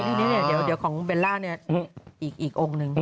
นี่เดี๋ยวของเบลล่าอีกองค์นึง